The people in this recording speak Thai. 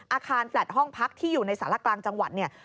อาคารแฟลต์ห้องพักที่อยู่ในสาลากลางจังหวัด